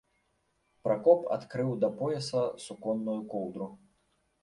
Пракоп адкрыў да пояса суконную коўдру.